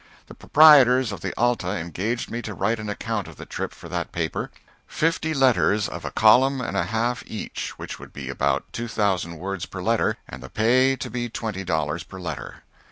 The proprietors of the "Alta" engaged me to write an account of the trip for that paper fifty letters of a column and a half each, which would be about two thousand words per letter, and the pay to be twenty dollars per letter.